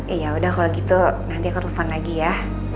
eh yaudah kalau gitu nanti aku telfon lagi ya